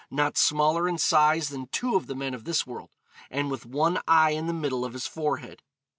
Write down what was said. not smaller in size than two of the men of this world,' and with 'one eye in the middle of his forehead.'